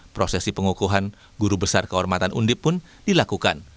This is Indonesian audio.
prosesi pengukuhan guru besar kehormatan undip pun dilakukan